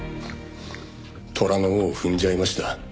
「虎の尾を踏んじゃいました」